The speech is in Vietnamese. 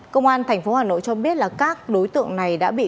công an tp hà nội cho biết là các đối tượng này đã bị